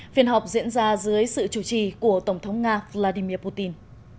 phiên họp diễn ra dưới sự chủ trì của tổng thống nga vladimir putin